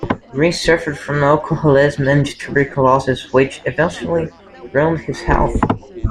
Grin suffered from alcoholism and tuberculosis which eventually ruined his health.